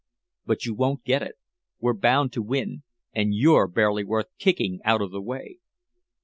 But you won't get it, we're bound to win, and you're barely worth kicking out of the way."